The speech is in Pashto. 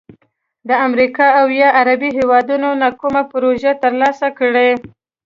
د امریکا او یا عربي هیوادونو نه کومه پروژه تر لاسه کړي،